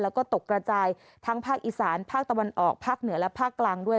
แล้วก็ตกกระจายทั้งภาคอีสานภาคตะวันออกภาคเหนือและภาคกลางด้วย